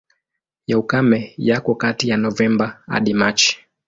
Ya ukame yako kati ya Novemba hadi Machi.